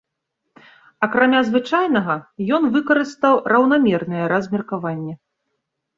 Акрамя звычайнага, ён выкарыстаў раўнамернае размеркаванне.